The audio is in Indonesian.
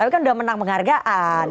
tapi kan udah menang penghargaan